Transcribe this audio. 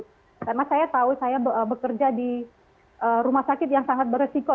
karena saya tahu saya bekerja di rumah sakit yang sangat beresiko